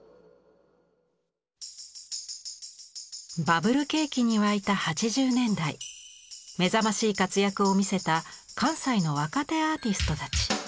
バブル景気に沸いた８０年代目覚ましい活躍を見せた関西の若手アーティストたち。